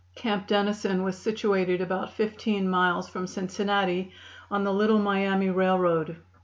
Camp Dennison was situated about fifteen miles from Cincinnati, on the Little Miami Railroad.